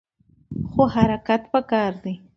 خو حرکت پکار دی.